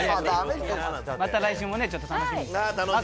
また来週も楽しみに。